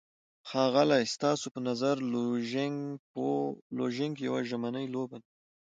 ښاغلی، ستاسو په نظر لوژینګ یوه ژمنی لوبه ده؟